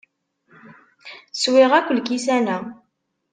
Swiɣ akk lkisan-a.